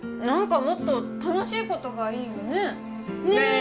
何かもっと楽しいことがいいよねね